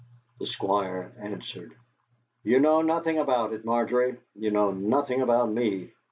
The Squire answered: "You know nothing about it, Margery; you know nothing about me.